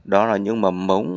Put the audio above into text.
đó là những mầm mống